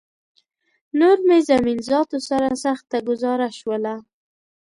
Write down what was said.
نور مې زمین ذاتو سره سخته ګوزاره شوله